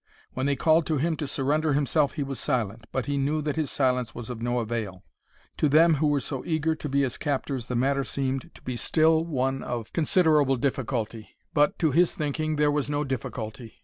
When they called to him to surrender himself he was silent, but he knew that his silence was of no avail. To them who were so eager to be his captors the matter seemed to be still one of considerable difficulty; but, to his thinking, there was no difficulty.